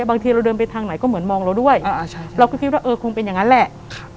บางทีเราเดินไปทางไหนก็เหมือนมองเราด้วยอ่าใช่เราก็คิดว่าเออคงเป็นอย่างนั้นแหละ